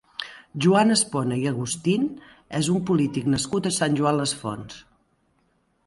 Joan Espona i Agustín és un polític nascut a Sant Joan les Fonts.